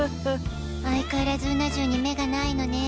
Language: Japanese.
相変わらずうな重に目がないのね。